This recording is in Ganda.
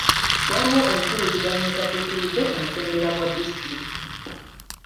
Waliwo empuliziganya etatuukiridde ku mutendera gwa disitulikiti.